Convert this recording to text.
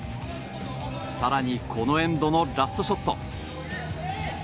更に、このエンドのラストショット。